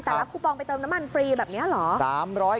แต่รับคูปองไปเติมน้ำมันฟรีแบบนี้เหรอ